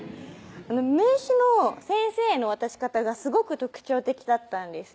名刺の先生ヘの渡し方がすごく特徴的だったんですよ